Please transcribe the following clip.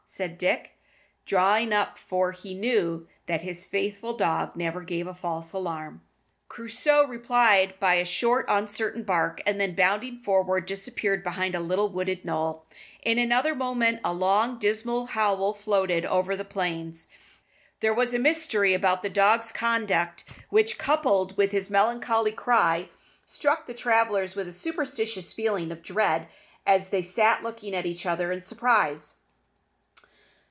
said Dick, drawing up, for he knew that his faithful dog never gave a false alarm. Crusoe replied by a short, uncertain bark, and then bounding forward, disappeared behind a little wooded knoll. In another moment a long, dismal howl floated over the plains. There was a mystery about the dog's conduct which, coupled with his melancholy cry, struck the travellers with a superstitious feeling of dread, as they sat looking at each other in surprise.